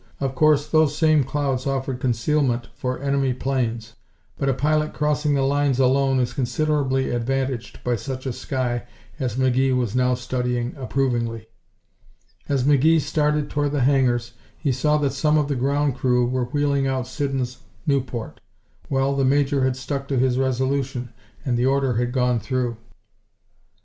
Of course, those same clouds offered concealment for enemy planes, but a pilot crossing the lines alone is considerably advantaged by such a sky as McGee was now studying approvingly. As McGee started toward the hangars he saw that some of the ground crew were wheeling out Siddons' Nieuport. Well, the Major had stuck to his resolution and the order had gone through.